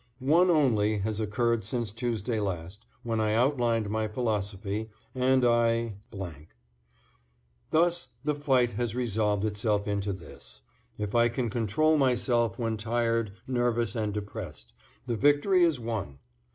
One only has occurred since Tuesday last, when I outlined my philosophy, and I .... Thus, the fight has resolved itself into this, if I can control myself when tired, nervous and depressed, the victory is won.